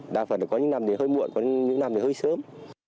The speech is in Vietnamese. đa phần có những năm thì hơi muộn có những năm thì hơi sớm